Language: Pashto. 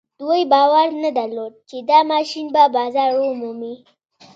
دوی باور نه درلود چې دا ماشين به بازار ومومي.